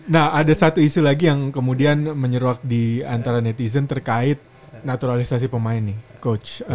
nah ada satu isu lagi yang kemudian menyeruak di antara netizen terkait naturalisasi pemain nih coach